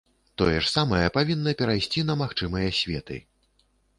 Тое ж самае павінна перайсці на магчымыя светы.